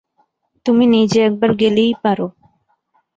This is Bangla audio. তুমি নিজে একবার গেলেই পার।